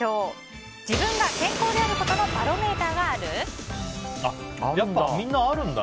自分が健康であることのバロメーターがある？